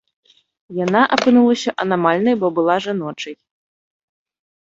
Яна апынулася анамальнай, бо была жаночай.